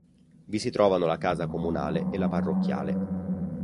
Vi si trovano la casa comunale e la parrocchiale.